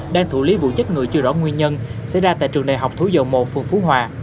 đang thủ lý vụ chết người chưa rõ nguyên nhân xảy ra tại trường đại học thủ dầu một phường phú hòa